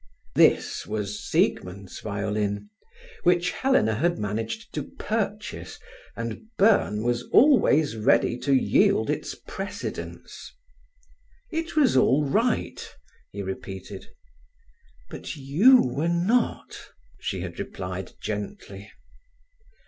This was Siegmund's violin, which Helena had managed to purchase, and Byrne was always ready to yield its precedence. "It was all right," he repeated. "But you were not," she had replied gently.